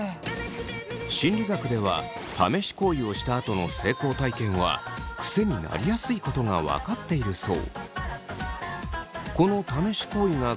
心理学では試し行為をしたあとの成功体験はクセになりやすいことが分かっているそう。